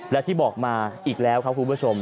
และที่บอกมาอีกแล้วครับคุณผู้ชม